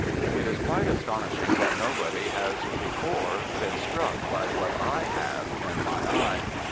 It is quite astonishing that nobody has before been struck by what I have in my eye.